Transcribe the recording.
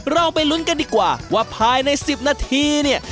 เราไปลุ้นกันดีกว่าว่าภายใน๑๐นาทีเนี่ย